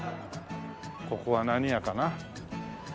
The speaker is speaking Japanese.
ここは何屋かな？